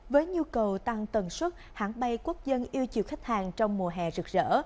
với nhu cầu tăng tần suất hãng bay quốc dân yêu chiều khách hàng trong mùa hè rực rỡ